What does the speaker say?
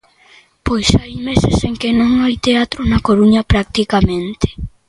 Pois hai meses en que non hai teatro na Coruña practicamente.